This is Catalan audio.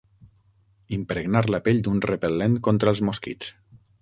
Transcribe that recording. Impregnar la pell d'un repel·lent contra els mosquits.